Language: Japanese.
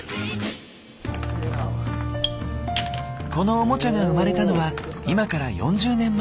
このオモチャが生まれたのは今から４０年前。